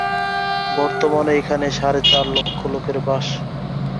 বর্তমানে এখানে সাড়ে চার লক্ষ লোকের বাস।